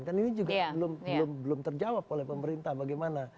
kan ini juga belum terjawab oleh pemerintah bagaimana